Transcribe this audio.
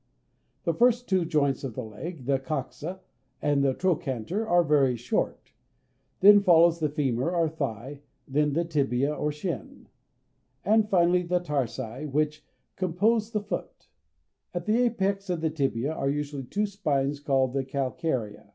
The first two joints of the leg, the coxa (_d_^1) and the trochanter (_d_^2), are very short; then follows the femur or thigh (_d_^3); then the tibia or shin (_d_^4); and finally the tarsi (_d_^5), which compose the foot. At the apex of the tibia are usually two spines called the calcaria (_d_^6).